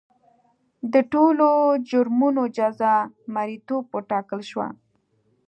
د ټولو جرمونو جزا مریتوب وټاکل شوه.